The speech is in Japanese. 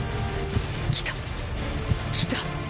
来た来た！